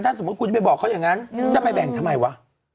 ถ้าสมมุติคุณจะไปบอกเขาอย่างนั้นจะไปแบ่งทำไมวะ